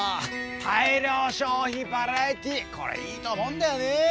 大量消費バラエティこれいいと思うんだよね！